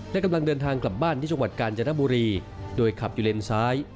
และกำลังเดินทางกลับบ้านที่จังหวัดกาญจนบุรีโดยขับอยู่เลนซ้าย